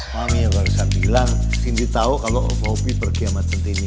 mami yang gak usah bilang cindy tau kalau bobby pergi sama centini